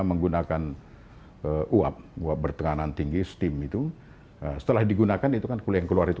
menggunakan uap uap bertekanan tinggi steam itu setelah digunakan itu kan kuliah yang keluar itu